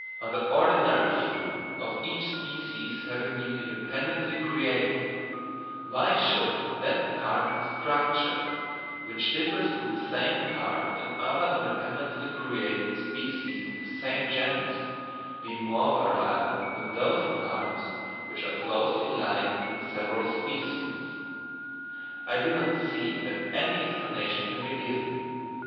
On the ordinary view of each species having been independently created, why should that part of the structure, which differs from the same part in other independently created species of the same genus, be more variable than those parts which are closely alike in the several species? I do not see that any explanation can be given.